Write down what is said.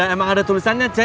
oh iya emang ada tulisannya cek